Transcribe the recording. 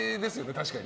確かに。